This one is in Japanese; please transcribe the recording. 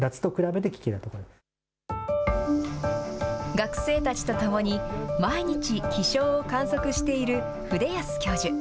学生たちとともに、毎日、気象を観測している筆保教授。